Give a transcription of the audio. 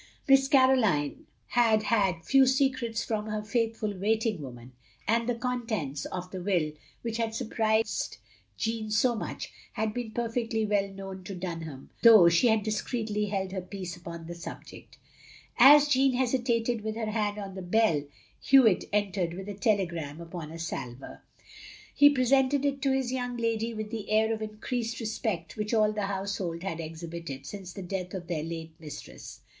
Miss Caroline had had few secrets from her faithftil waiting woman, and the contents of the will, which had stirprised Jeanne so much, had been perfectly well known to Dunham, though she had discreetly held her peace upon the subject. As Jeanne hesitated, with her hand on the bell, Hewitt entered with a telegram upon a salver. He presented it to his young lady with the air of increased respect which all the household had exhibited, since the death of their late mistress.